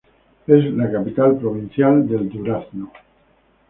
Es la Capital Provincial del Durazno.